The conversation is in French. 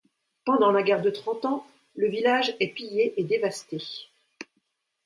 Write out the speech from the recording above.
Pendant la guerre de Trente Ans le village est pillé et dévasté.